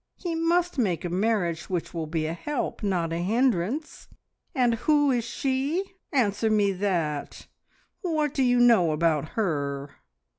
He must make a marriage which will be a help, not a hindrance. And who is she? Answer me that! What do you know about her?"